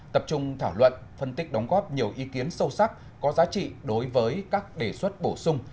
tập trung thảo luận phân tích đóng góp nhiều ý kiến sâu sắc có giá trị đối với các đề xuất bổ sung